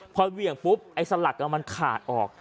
พอเหวี่ยงปุ๊บไอ้สลักมันขาดออก